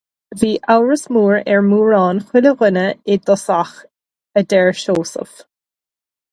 Bhí amhras mór ar mórán chuile dhuine i dtosach, a deir Seosamh.